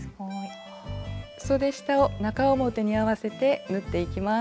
そで下を中表に合わせて縫っていきます。